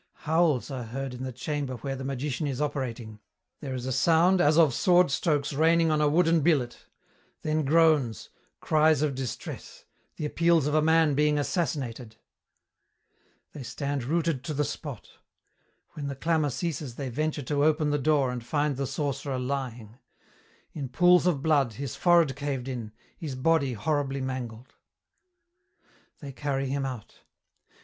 Howls are heard in the chamber where the magician is operating. There is "a sound as of sword strokes raining on a wooden billet," then groans, cries of distress, the appeals of a man being assassinated. They stand rooted to the spot. When the clamour ceases they venture to open the door and find the sorcerer lying; in pools of blood, his forehead caved in, his body horribly mangled. They carry him out.